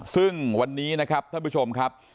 ซึ่งวันนี้นะครับท่านผู้ชมครับ